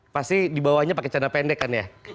pasti di bawahnya pakai canda pendek kan ya